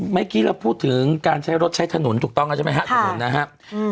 เมื่อกี้เราพูดถึงการใช้รถใช้ถนนถูกต้องแล้วใช่ไหมฮะถนนนะครับ